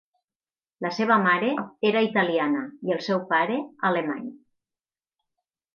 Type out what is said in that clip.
La seva mare era italiana i el seu pare, alemany.